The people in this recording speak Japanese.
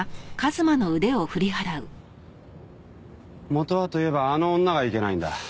元はといえばあの女がいけないんだ。